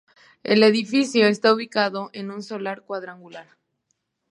El edificio está ubicado en un solar cuadrangular.